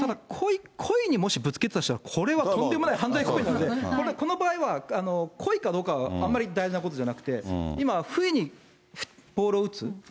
故意にもしぶつけてたとしたら、これはとんでもない犯罪行為なので、この場合は故意かどうかは、あんまり大事なことじゃなくて、今、不意にボールを打つ。